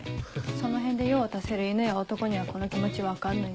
その辺で用を足せる犬や男にはこの気持ち分かんないんですよ。